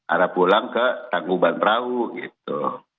ada pulang ke tangguban perahu gitu